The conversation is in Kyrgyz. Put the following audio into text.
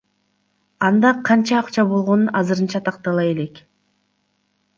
Анда канча акча болгону азырынча тактала элек.